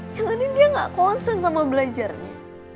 yang lain dia gak konsen sama belajarnya